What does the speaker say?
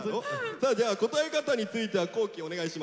じゃあ答え方については皇輝お願いします。